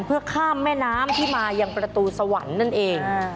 เพื่อข้ามแม่น้ำที่มายังประตูสวรรค์นั่นเอง